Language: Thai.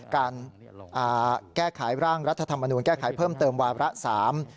การอ่าแก้ไขร่างรัฐธรรมนูลแก้ไขเพิ่มเติมวาระสาม